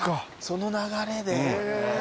その流れで。